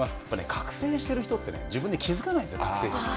覚醒している人って、自分で気付かないんですよ、覚醒しているの。